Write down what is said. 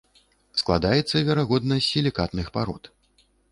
Складаецца верагодна з сілікатных парод.